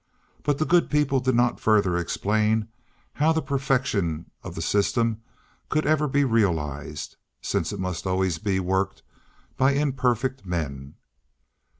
but the good people did not further explain how the perfection of the system could ever be realised, since it must always be worked by imperfect men.